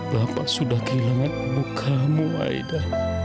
bapak sudah kehilangan ibu kamu aida